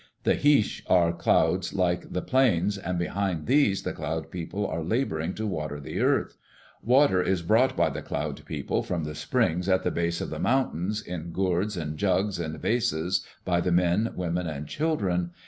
The Heash are clouds like the plains and behind these the Cloud People are laboring to water the earth. Water is brought by the Cloud People, from the springs at the base of the mountains, in gourds and jugs and vases by the men, women, and children.